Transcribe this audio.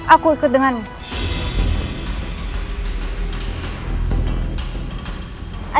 aku ikut denganmu